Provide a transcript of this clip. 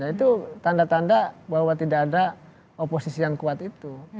itu tanda tanda bahwa tidak ada oposisi yang kuat itu